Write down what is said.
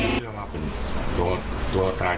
เพราะว่าแก่เกิดมาแก่กับมักน้ำเลย